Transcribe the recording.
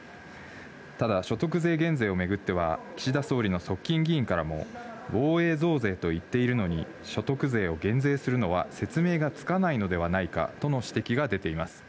ただ、所得税減税を巡っては、岸田総理の側近議員からも、防衛増税と言っているのに、所得税を減税するのは説明がつかないのではないかとの指摘が出ています。